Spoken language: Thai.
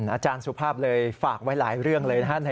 อาจารย์สุภาพเลยฝากไว้หลายเรื่องเลยนะครับ